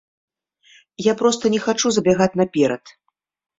Я проста не хачу забягаць наперад.